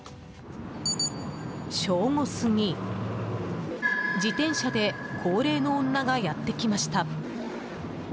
正午過ぎ、自転車で高齢の女がやってきました。